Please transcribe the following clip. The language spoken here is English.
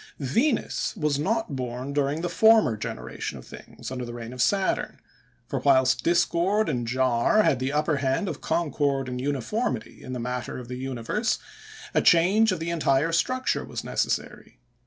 Venus was not born during the former generation of things, under the reign of Saturn; for whilst discord and jar had the upper hand of concord and uniformity in the matter of the universe, a change of the entire structure was necessary.